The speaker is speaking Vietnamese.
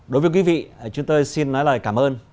đối với quý vị chúng tôi xin nói lời cảm ơn